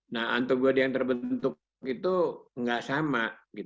nah antibody yang terbentuk itu nggak sama